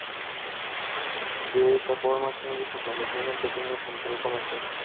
De esta forma Herning se convirtió en un pequeño centro comercial.